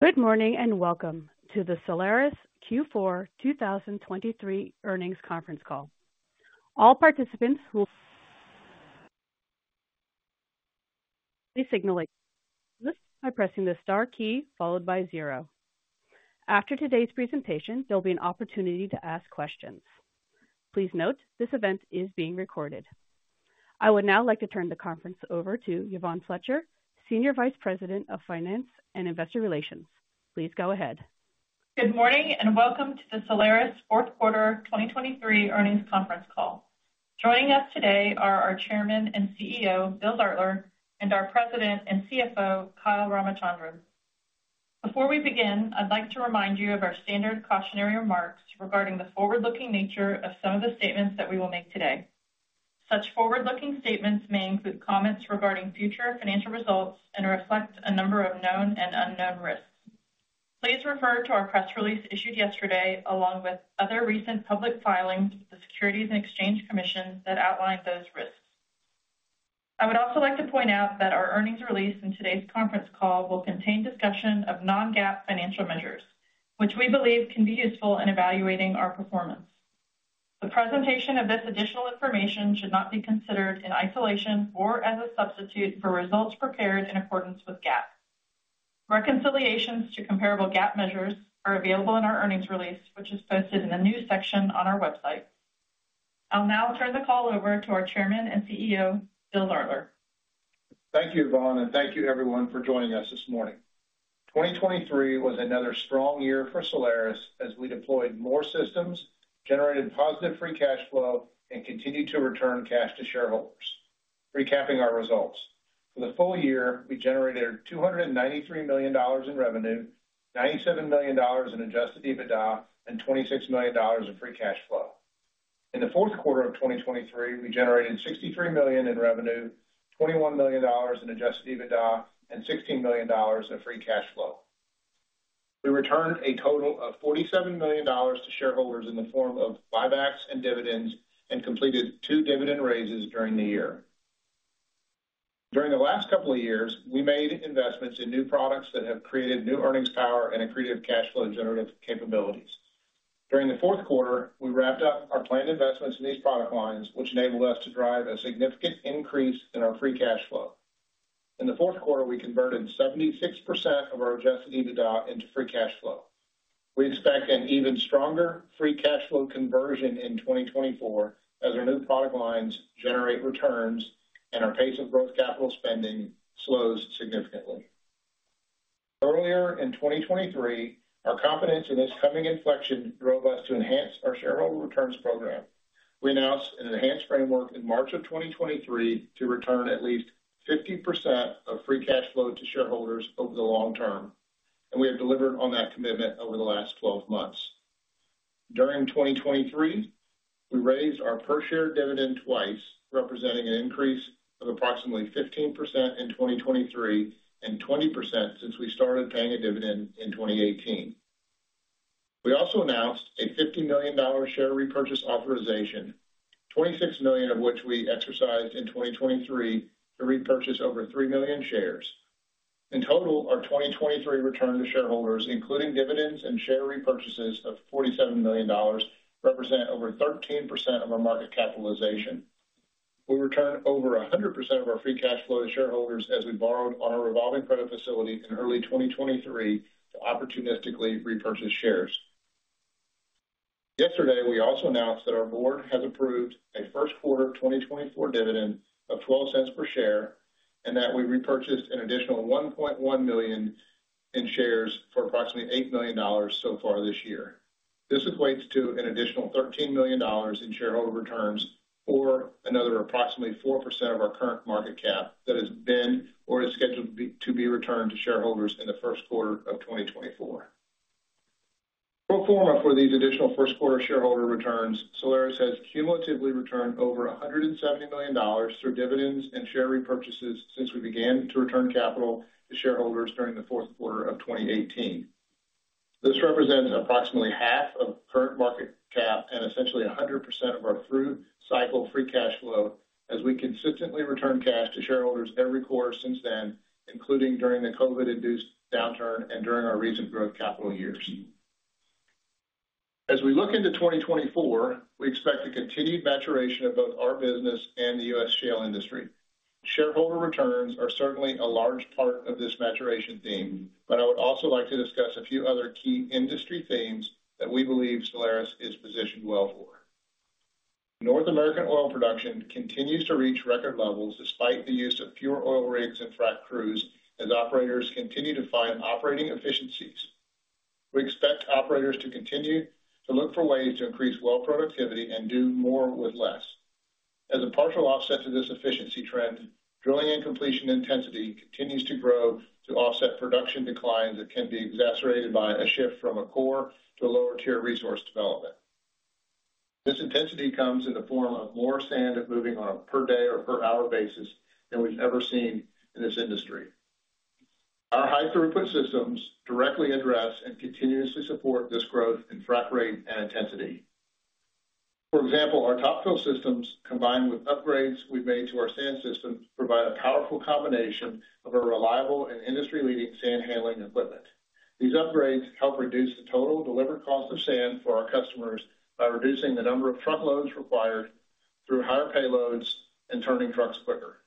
Good morning, and welcome to the Solaris Q4 2023 earnings conference call. All participants will signal by pressing the star key, followed by zero. After today's presentation, there'll be an opportunity to ask questions. Please note, this event is being recorded. I would now like to turn the conference over to Yvonne Fletcher, Senior Vice President of Finance and Investor Relations. Please go ahead. Good morning, and welcome to the Solaris fourth quarter 2023 earnings conference call. Joining us today are our Chairman and CEO, Bill Zartler, and our President and CFO, Kyle Ramachandran. Before we begin, I'd like to remind you of our standard cautionary remarks regarding the forward-looking nature of some of the statements that we will make today. Such forward-looking statements may include comments regarding future financial results and reflect a number of known and unknown risks. Please refer to our press release issued yesterday, along with other recent public filings, the Securities and Exchange Commission, that outline those risks. I would also like to point out that our earnings release in today's conference call will contain discussion of non-GAAP financial measures, which we believe can be useful in evaluating our performance. The presentation of this additional information should not be considered in isolation or as a substitute for results prepared in accordance with GAAP. Reconciliations to comparable GAAP measures are available in our earnings release, which is posted in the news section on our website. I'll now turn the call over to our chairman and CEO, Bill Zartler. Thank you, Yvonne, and thank you everyone for joining us this morning. 2023 was another strong year for Solaris as we deployed more systems, generated positive free cash flow, and continued to return cash to shareholders. Recapping our results. For the full year, we generated $293 million in revenue, $97 million in Adjusted EBITDA, and $26 million in free cash flow. In the fourth quarter of 2023, we generated $63 million in revenue, $21 million in Adjusted EBITDA, and $16 million in free cash flow. We returned a total of $47 million to shareholders in the form of buybacks and dividends, and completed two dividend raises during the year. During the last couple of years, we made investments in new products that have created new earnings power and accretive cash flow generative capabilities. During the fourth quarter, we wrapped up our planned investments in these product lines, which enabled us to drive a significant increase in our free cash flow. In the fourth quarter, we converted 76% of our Adjusted EBITDA into free cash flow. We expect an even stronger free cash flow conversion in 2024 as our new product lines generate returns and our pace of growth capital spending slows significantly. Earlier in 2023, our confidence in this coming inflection drove us to enhance our shareholder returns program. We announced an enhanced framework in March of 2023 to return at least 50% of free cash flow to shareholders over the long term, and we have delivered on that commitment over the last 12 months. During 2023, we raised our per share dividend twice, representing an increase of approximately 15% in 2023, and 20% since we started paying a dividend in 2018. We also announced a $50 million share repurchase authorization, $26 million of which we exercised in 2023 to repurchase over 3 million shares. In total, our 2023 return to shareholders, including dividends and share repurchases of $47 million, represent over 13% of our market capitalization. We returned over 100% of our free cash flow to shareholders as we borrowed on our revolving credit facility in early 2023 to opportunistically repurchase shares. Yesterday, we also announced that our board has approved a first quarter 2024 dividend of $0.12 per share, and that we repurchased an additional 1.1 million shares for approximately $8 million so far this year. This equates to an additional $13 million in shareholder returns or another approximately 4% of our current market cap that has been or is scheduled to be returned to shareholders in the first quarter of 2024. Pro forma for these additional first quarter shareholder returns, Solaris has cumulatively returned over $170 million through dividends and share repurchases since we began to return capital to shareholders during the fourth quarter of 2018. This represents approximately half of current market cap and essentially 100% of our through cycle free cash flow, as we consistently return cash to shareholders every quarter since then, including during the COVID-induced downturn and during our recent growth capital years. As we look into 2024, we expect a continued maturation of both our business and the U.S. shale industry. Shareholder returns are certainly a large part of this maturation theme, but I would also like to discuss a few other key industry themes that we believe Solaris is positioned well for. North American oil production continues to reach record levels despite the use of fewer oil rigs and frack crews, as operators continue to find operating efficiencies. We expect operators to continue to look for ways to increase well productivity and do more with less. As a partial offset to this efficiency trend, drilling and completion intensity continues to grow to offset production declines that can be exacerbated by a shift from a core to lower tier resource development. This intensity comes in the form of more sand moving on a per day or per hour basis than we've ever seen in this industry. Our high throughput systems directly address and continuously support this growth in frac rate and intensity. For example, our Top fill systems, combined with upgrades we've made to our sand system, provide a powerful combination of a reliable and industry-leading sand handling equipment. These upgrades help reduce the total delivered cost of sand for our customers by reducing the number of truckloads required through higher payloads and turning trucks quicker.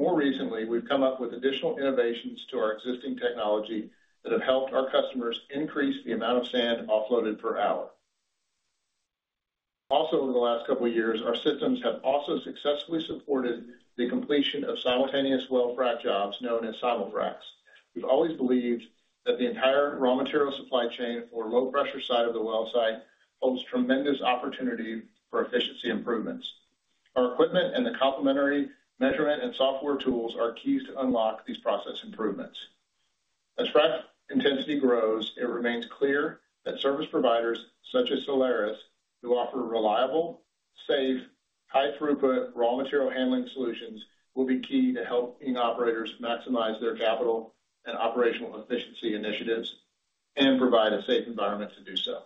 More recently, we've come up with additional innovations to our existing technology that have helped our customers increase the amount of sand offloaded per hour. Also, over the last couple of years, our systems have also successfully supported the completion of simultaneous well frac jobs, known as Simul-fracs. We've always believed that the entire raw material supply chain for low pressure side of the well site holds tremendous opportunity for efficiency improvements. Our equipment and the complementary measurement and software tools are keys to unlock these process improvements. As frac intensity grows, it remains clear that service providers such as Solaris, who offer reliable, safe, high throughput, raw material handling solutions, will be key to helping operators maximize their capital and operational efficiency initiatives and provide a safe environment to do so.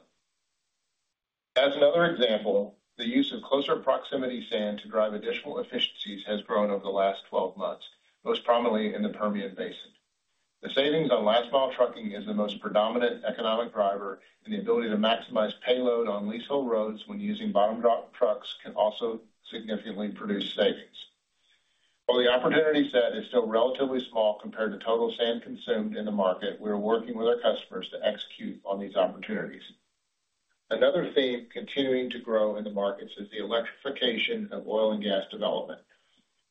As another example, the use of closer proximity sand to drive additional efficiencies has grown over the last 12 months, most prominently in the Permian Basin. The savings on last mile trucking is the most predominant economic driver, and the ability to maximize payload on leasehold roads when using bottom drop trucks can also significantly produce savings. While the opportunity set is still relatively small compared to total sand consumed in the market, we are working with our customers to execute on these opportunities. Another theme continuing to grow in the markets is the electrification of oil and gas development.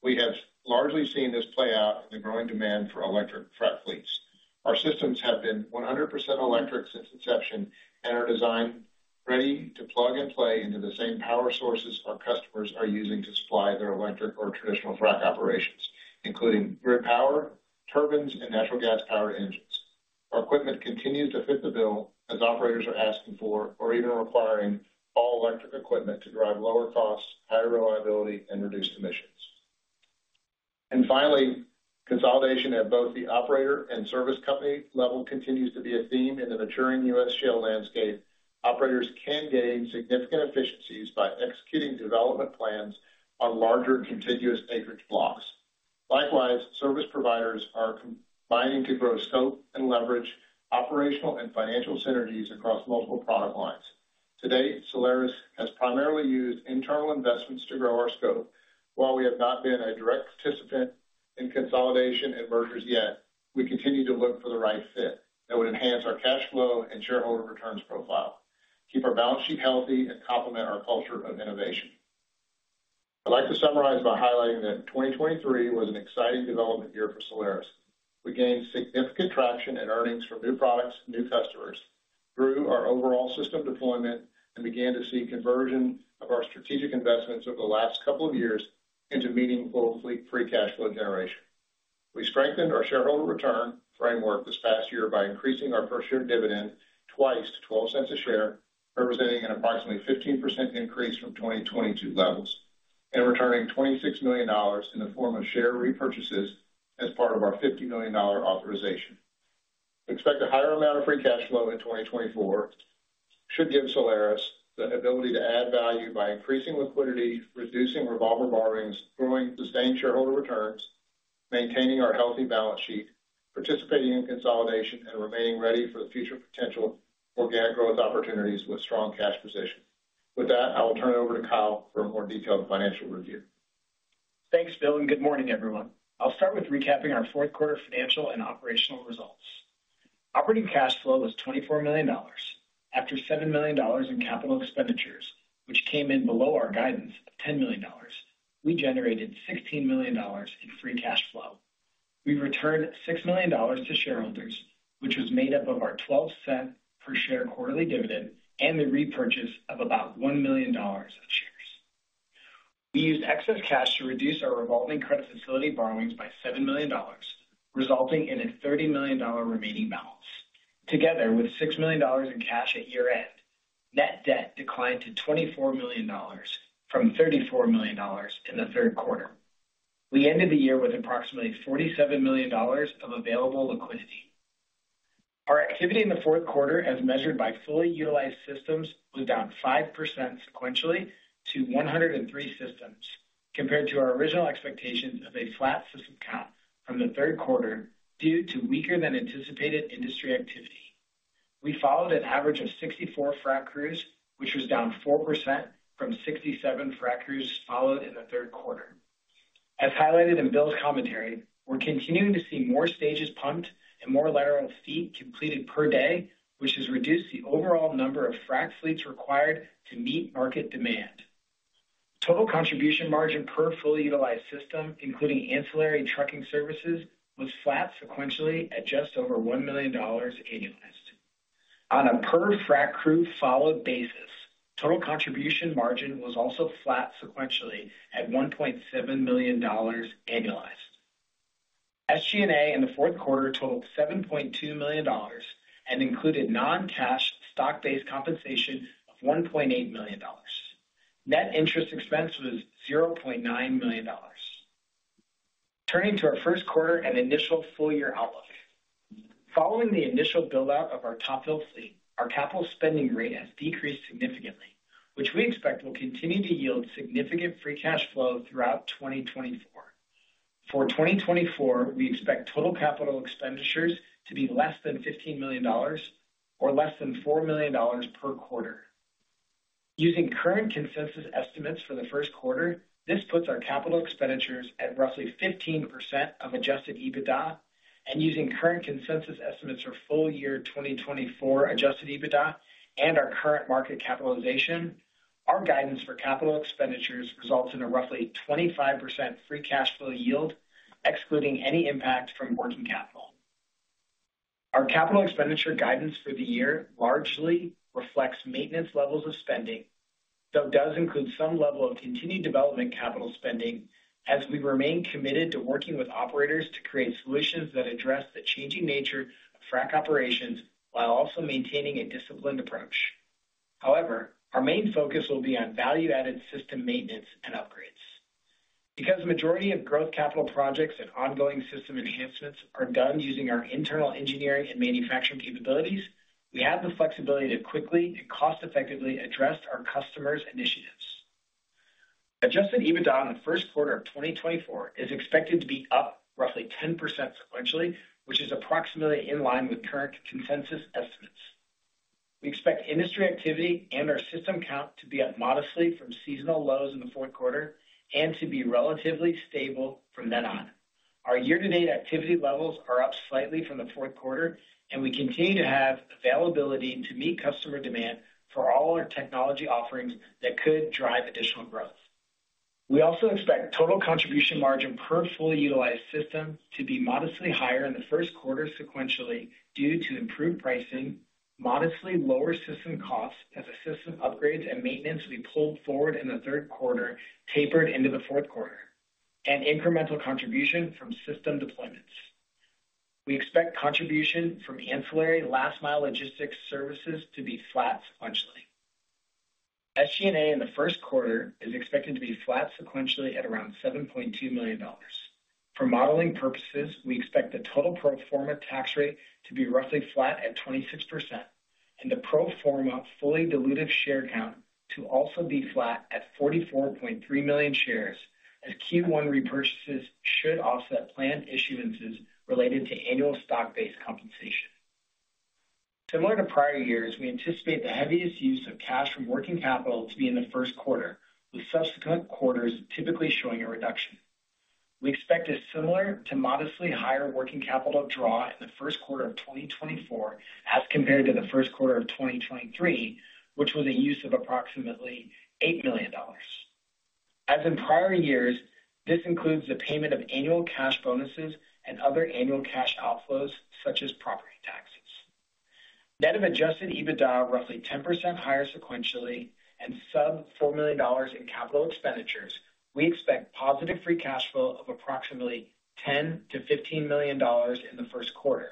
We have largely seen this play out in the growing demand for electric frac fleets. Our systems have been 100% electric since inception and are designed ready to plug and play into the same power sources our customers are using to supply their electric or traditional frac operations, including grid power, turbines, and natural gas powered engines. Our equipment continues to fit the bill as operators are asking for, or even requiring all electric equipment to drive lower costs, higher reliability, and reduce emissions. And finally, consolidation at both the operator and service company level continues to be a theme in the maturing U.S. shale landscape. Operators can gain significant efficiencies by executing development plans on larger, contiguous acreage blocks. Likewise, service providers are combining to grow scope and leverage operational and financial synergies across multiple product lines. Today, Solaris has primarily used internal investments to grow our scope. While we have not been a direct participant in consolidation and mergers yet, we continue to look for the right fit that would enhance our cash flow and shareholder returns profile, keep our balance sheet healthy, and complement our culture of innovation. I'd like to summarize by highlighting that 2023 was an exciting development year for Solaris. We gained significant traction in earnings from new products, new customers through our overall system deployment, and began to see conversion of our strategic investments over the last couple of years into meaningful free cash flow generation. We strengthened our shareholder return framework this past year by increasing our per share dividend twice to $0.12 per share, representing an approximately 15% increase from 2022 levels, and returning $26 million in the form of share repurchases as part of our $50 million authorization. Expect a higher amount of free cash flow in 2024 should give Solaris the ability to add value by increasing liquidity, reducing revolver borrowings, growing sustained shareholder returns, maintaining our healthy balance sheet, participating in consolidation, and remaining ready for the future potential organic growth opportunities with strong cash position. With that, I will turn it over to Kyle for a more detailed financial review. Thanks, Bill, and good morning, everyone. I'll start with recapping our fourth quarter financial and operational results. Operating cash flow was $24 million. After $7 million in capital expenditures, which came in below our guidance of $10 million, we generated $16 million in free cash flow. We returned $6 million to shareholders, which was made up of our $0.12 per share quarterly dividend and the repurchase of about $1 million of shares. We used excess cash to reduce our revolving credit facility borrowings by $7 million, resulting in a $30 million remaining balance. Together with $6 million in cash at year-end, net debt declined to $24 million from $34 million in the third quarter. We ended the year with approximately $47 million of available liquidity. Our activity in the fourth quarter, as measured by fully utilized systems, was down 5% sequentially to 103 systems compared to our original expectations of a flat system count from the third quarter due to weaker than anticipated industry activity. We followed an average of 64 frac crews, which was down 4% from 67 frac crews followed in the third quarter. As highlighted in Bill's commentary, we're continuing to see more stages pumped and more lateral feet completed per day, which has reduced the overall number of frac fleets required to meet market demand. Total contribution margin per fully utilized system, including ancillary trucking services, was flat sequentially at just over $1 million annualized. On a per frac crew followed basis, total contribution margin was also flat sequentially at $1.7 million annualized. SG&A in the fourth quarter totaled $7.2 million and included non-cash stock-based compensation of $1.8 million. Net interest expense was $0.9 million. Turning to our first quarter and initial full year outlook. Following the initial build out of our top fill fleet, our capital spending rate has decreased significantly, which we expect will continue to yield significant free cash flow throughout 2024. For 2024, we expect total capital expenditures to be less than $15 million or less than $4 million per quarter. Using current consensus estimates for the first quarter, this puts our capital expenditures at roughly 15% of Adjusted EBITDA, and using current consensus estimates for full year 2024 Adjusted EBITDA and our current market capitalization, our guidance for capital expenditures results in a roughly 25% free cash flow yield, excluding any impact from working capital. Our capital expenditure guidance for the year largely reflects maintenance levels of spending, though does include some level of continued development capital spending as we remain committed to working with operators to create solutions that address the changing nature of frac operations while also maintaining a disciplined approach. However, our main focus will be on value-added system maintenance and upgrades. Because majority of growth capital projects and ongoing system enhancements are done using our internal engineering and manufacturing capabilities, we have the flexibility to quickly and cost effectively address our customers' initiatives. Adjusted EBITDA in the first quarter of 2024 is expected to be up roughly 10% sequentially, which is approximately in line with current consensus estimates. We expect industry activity and our system count to be up modestly from seasonal lows in the fourth quarter and to be relatively stable from then on. Our year-to-date activity levels are up slightly from the fourth quarter, and we continue to have availability to meet customer demand for all our technology offerings that could drive additional growth. We also expect total contribution margin per fully utilized system to be modestly higher in the first quarter sequentially, due to improved pricing, modestly lower system costs as the system upgrades and maintenance we pulled forward in the third quarter tapered into the fourth quarter, and incremental contribution from system deployments. We expect contribution from ancillary last mile logistics services to be flat sequentially. SG&A in the first quarter is expected to be flat sequentially at around $7.2 million. For modeling purposes, we expect the total pro forma tax rate to be roughly flat at 26% and the pro forma fully dilutive share count to also be flat at 44.3 million shares, as Q1 repurchases should offset planned issuances related to annual stock-based compensation. Similar to prior years, we anticipate the heaviest use of cash from working capital to be in the first quarter, with subsequent quarters typically showing a reduction. We expect a similar to modestly higher working capital draw in the first quarter of 2024 as compared to the first quarter of 2023, which was a use of approximately $8 million. As in prior years, this includes the payment of annual cash bonuses and other annual cash outflows, such as property taxes. Net of Adjusted EBITDA, roughly 10% higher sequentially and sub $4 million in capital expenditures, we expect positive free cash flow of approximately $10-$15 million in the first quarter.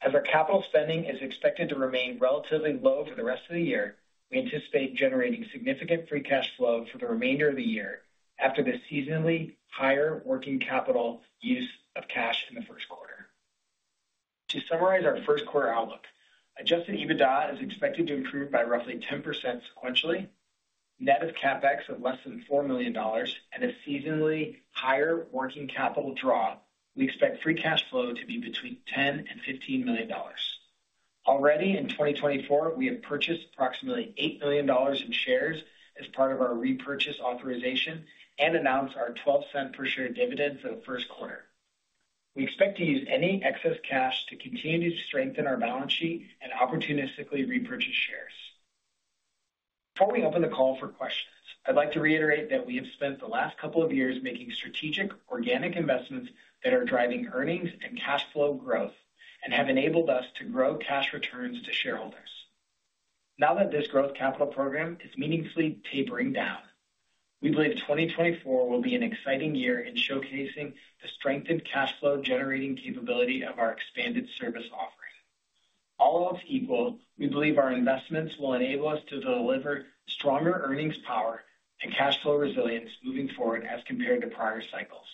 As our capital spending is expected to remain relatively low for the rest of the year, we anticipate generating significant free cash flow for the remainder of the year after the seasonally higher working capital use of cash in the first quarter. To summarize our first quarter outlook, Adjusted EBITDA is expected to improve by roughly 10% sequentially, net of CapEx of less than $4 million and a seasonally higher working capital draw. We expect free cash flow to be between $10-$15 million. Already in 2024, we have purchased approximately $8 million in shares as part of our repurchase authorization and announced our $0.12 per share dividend for the first quarter. We expect to use any excess cash to continue to strengthen our balance sheet and opportunistically repurchase shares. Before we open the call for questions, I'd like to reiterate that we have spent the last couple of years making strategic organic investments that are driving earnings and cash flow growth and have enabled us to grow cash returns to shareholders. Now that this growth capital program is meaningfully tapering down, we believe 2024 will be an exciting year in showcasing the strengthened cash flow generating capability of our expanded service offering. All else equal, we believe our investments will enable us to deliver stronger earnings power and cash flow resilience moving forward as compared to prior cycles.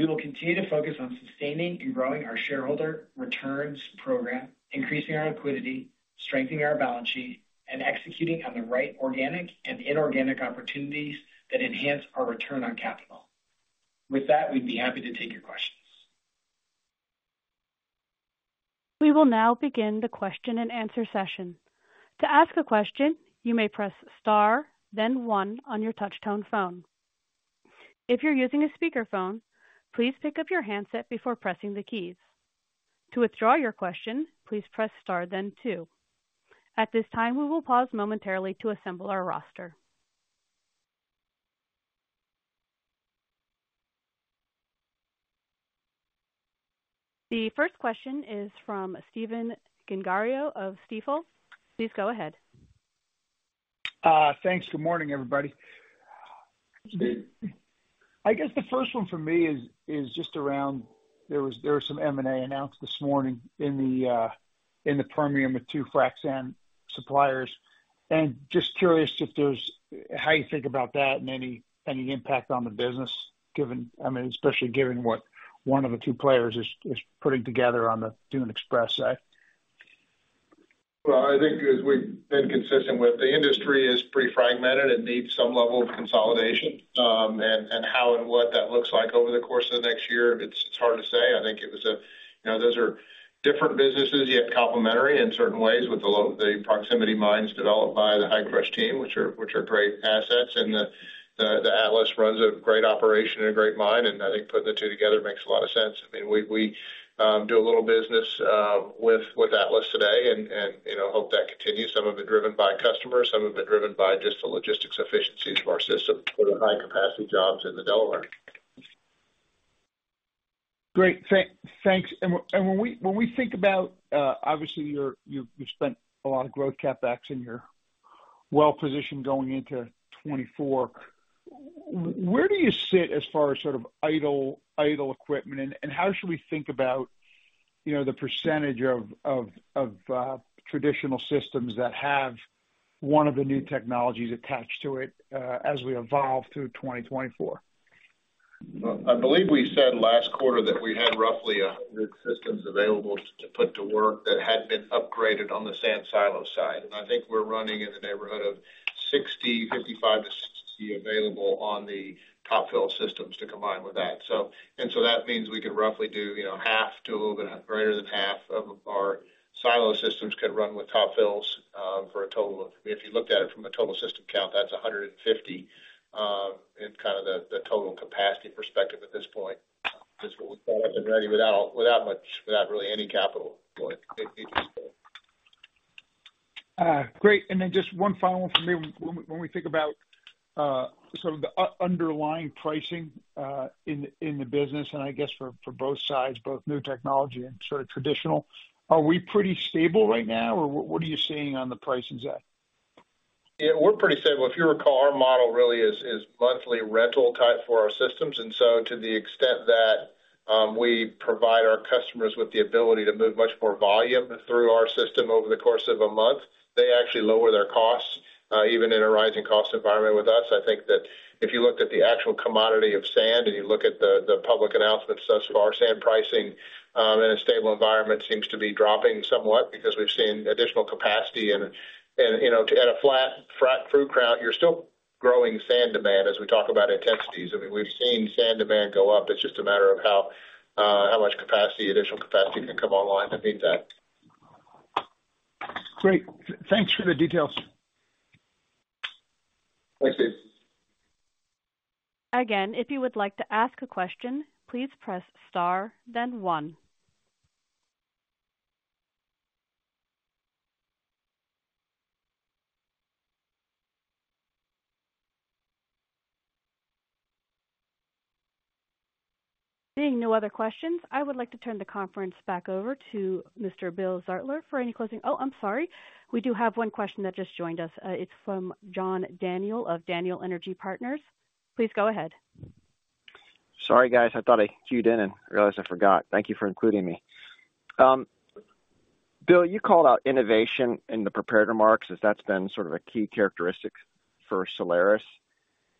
We will continue to focus on sustaining and growing our shareholder returns program, increasing our liquidity, strengthening our balance sheet, and executing on the right organic and inorganic opportunities that enhance our return on capital. With that, we'd be happy to take your questions. We will now begin the question and answer session. To ask a question, you may press star, then one on your touchtone phone. If you're using a speakerphone, please pick up your handset before pressing the keys. To withdraw your question, please press star then two. At this time, we will pause momentarily to assemble our roster. The first question is from Stephen Gengaro of Stifel. Please go ahead. Thanks. Good morning, everybody. I guess the first one for me is just around there was some, M&A announced this morning in the Permian with two frac sand suppliers, and just curious if there's, how you think about that and any, any impact on the business, given, I mean, especially given what one of the two players is, is putting together on the Dune Express side? Well, I think as we've been consistent with, the industry is pretty fragmented and needs some level of consolidation. And how and what that looks like over the course of the next year, it's hard to say. I think it was a, you know, those are different businesses, yet complementary in certain ways, with the proximity mines developed by the Hi-Crush team, which are great assets. And the Atlas runs a great operation and a great mine, and I think putting the two together makes a lot of sense. I mean, we do a little business with Atlas today and, you know, hope that continues. Some of it driven by customers, some of it driven by just the logistics efficiencies of our system for the high-capacity jobs in the Delaware. Great. Thanks. And when we think about, obviously, you've spent a lot of growth CapEx and you're well-positioned going into 2024. Where do you sit as far as sort of idle equipment? And how should we think about, you know, the percentage of traditional systems that have one of the new technologies attached to it, as we evolve through 2024? Well, I believe we said last quarter that we had roughly systems available to put to work that had been upgraded on the sand silo side. And I think we're running in the neighborhood of 60, 55-60 available on the top-fill systems to combine with that. So and so that means we could roughly do, you know, half to a little bit greater than half of our silo systems could run with top-fills, for a total of, if you looked at it from a total system count, that's 150, in kind of the, the total capacity perspective at this point. Is what we've got up and ready without, without much, without really any capital going into silos. Great. And then just one final one for me. When we think about, sort of the underlying pricing, in the business, and I guess for both sides, both new technology and sort of traditional, are we pretty stable right now, or what are you seeing on the pricing side? Yeah, we're pretty stable. If you recall, our model really is monthly rental type for our systems, and so to the extent that we provide our customers with the ability to move much more volume through our system over the course of a month, they actually lower their costs even in a rising cost environment with us. I think that if you looked at the actual commodity of sand and you look at the public announcements thus far, sand pricing in a stable environment seems to be dropping somewhat because we've seen additional capacity and, you know, at a flat frac crew, you're still growing sand demand, as we talk about intensities. I mean, we've seen sand demand go up. It's just a matter of how much capacity, additional capacity can come online to meet that. Great. Thanks for the details. Thanks, Dave. Again, if you would like to ask a question, please press star, then one. Seeing no other questions, I would like to turn the conference back over to Mr. Bill Zartler for any closing. Oh, I'm sorry. We do have one question that just joined us. It's from John Daniel of Daniel Energy Partners. Please go ahead. Sorry, guys. I thought I queued in and realized I forgot. Thank you for including me. Bill, you called out innovation in the prepared remarks, as that's been sort of a key characteristic for Solaris.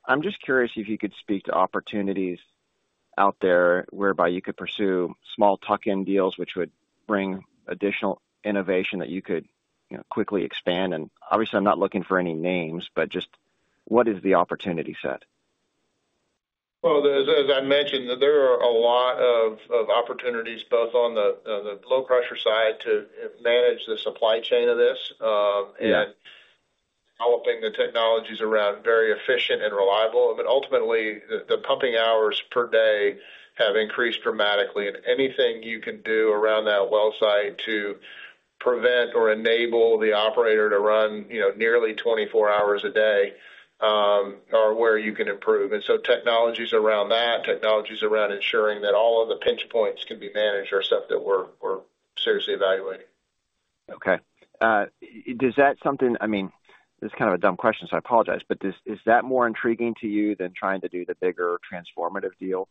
I'm just curious if you could speak to opportunities out there whereby you could pursue small tuck-in deals, which would bring additional innovation that you could, you know, quickly expand. And obviously, I'm not looking for any names, but just what is the opportunity set? Well, as I mentioned, there are a lot of opportunities, both on the low pressure side, to manage the supply chain of this... Yeah. Developing the technologies around very efficient and reliable. But ultimately, the pumping hours per day have increased dramatically. Anything you can do around that well site to prevent or enable the operator to run, you know, nearly 24 hours a day are where you can improve. So technologies around that, technologies around ensuring that all of the pinch points can be managed are stuff that we're seriously evaluating. Okay. I mean, this is kind of a dumb question, so I apologize, but is that more intriguing to you than trying to do the bigger transformative deal?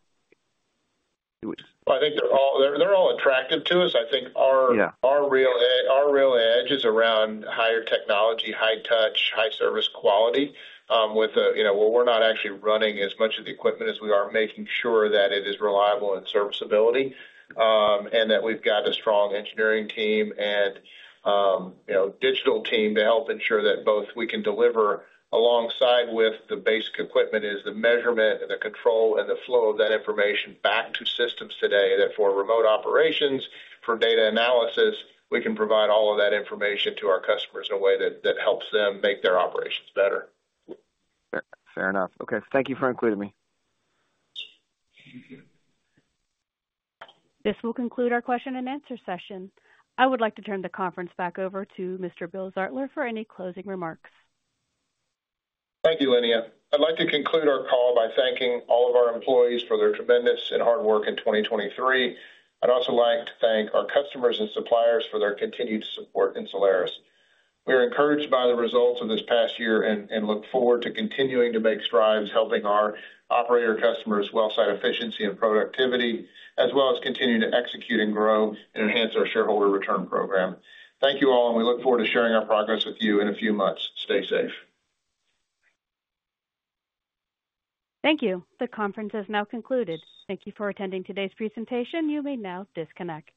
I think they're all attractive to us. Yeah. I think our real edge is around higher technology, high touch, high service quality, you know, where we're not actually running as much of the equipment as we are making sure that it is reliable and serviceability, and that we've got a strong engineering team and, you know, digital team to help ensure that both we can deliver alongside with the basic equipment, is the measurement, the control, and the flow of that information back to systems today. That for remote operations, for data analysis, we can provide all of that information to our customers in a way that, that helps them make their operations better. Fair enough. Okay, thank you for including me. Thank you. This will conclude our question-and-answer session. I would like to turn the conference back over to Mr. Bill Zartler for any closing remarks. Thank you, Linnea. I'd like to conclude our call by thanking all of our employees for their tremendous and hard work in 2023. I'd also like to thank our customers and suppliers for their continued support in Solaris. We are encouraged by the results of this past year and look forward to continuing to make strides, helping our operator customers' well site efficiency and productivity, as well as continuing to execute and grow and enhance our shareholder return program. Thank you all, and we look forward to sharing our progress with you in a few months. Stay safe. Thank you. The conference has now concluded. Thank you for attending today's presentation. You may now disconnect.